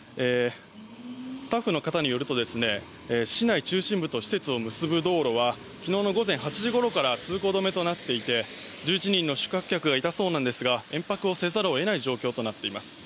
スタッフの方によると市内中心部と施設を結ぶ道路は昨日の午前８時ごろから通行止めとなっていて１１人の宿泊客がいたそうですが延泊をせざるを得ない状況になっています。